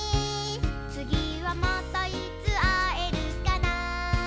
「つぎはまたいつあえるかな」